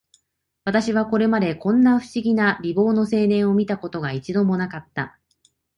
私はこれまで、こんな不思議な美貌の青年を見た事が、一度も無かった